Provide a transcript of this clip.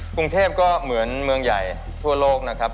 กรุงเทพก็เหมือนเมืองใหญ่ทั่วโลกนะครับ